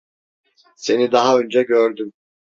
Seni daha önce gördüm.